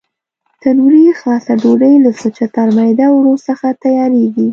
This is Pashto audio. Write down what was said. تنوري خاصه ډوډۍ له سوچه ترمیده اوړو څخه تیارېږي.